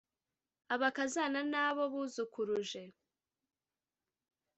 abakazana N’abo buzukuruje!